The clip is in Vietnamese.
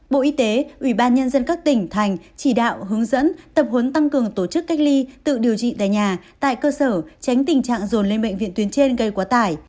bộ y tế ủy ban nhân dân các tỉnh thành chỉ đạo hướng dẫn tập huấn tăng cường tổ chức cách ly tự điều trị tại nhà tại cơ sở tránh tình trạng dồn lên bệnh viện tuyến trên gây quá tải